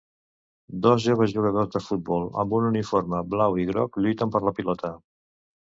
Dos joves jugadors de futbol amb un uniforme blau i groc lluiten per la pilota.